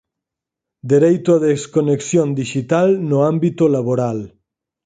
Dereito á desconexión dixital no ámbito laboral.